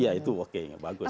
ya itu oke bagus